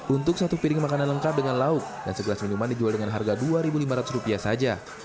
untuk satu piring makanan lengkap dengan lauk dan segelas minuman dijual dengan harga rp dua lima ratus saja